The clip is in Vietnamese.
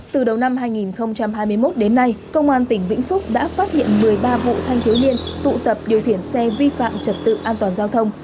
từ đầu năm hai nghìn hai mươi một đến nay công an tỉnh vĩnh phúc đã phát hiện một mươi ba vụ thanh thiếu niên tụ tập điều khiển xe vi phạm trật tự an toàn giao thông